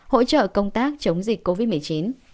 hỗ trợ công tác chống dịch covid một mươi chín